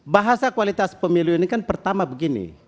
bahasa kualitas pemilu ini kan pertama begini